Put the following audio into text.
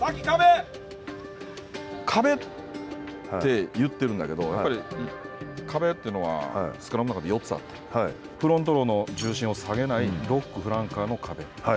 壁って言ってるんだけど壁というのはスクラムの中で４つあってフロントローの重心を下げないロック、フランカーの壁。